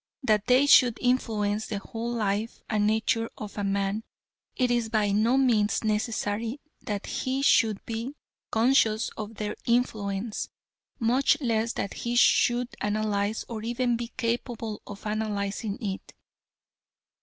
That they should influence the whole life and nature of a man it is by no means necessary that he should be conscious of their influence, much less that he should analyse or even be capable of analysing it.